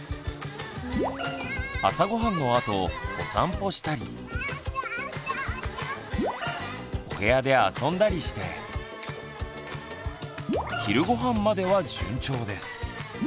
朝ごはんのあとお散歩したりお部屋で遊んだりして昼ごはんまでは順調です。